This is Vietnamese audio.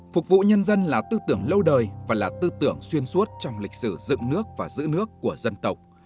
phục vụ nhân dân là tư tưởng lâu đời và là tư tưởng xuyên suốt trong lịch sử dựng nước và giữ nước của dân tộc